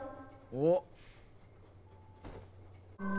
おっ。